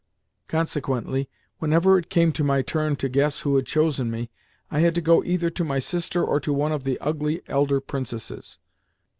Consequently, whenever it came to my turn to guess who had chosen me, I had to go either to my sister or to one of the ugly elder princesses.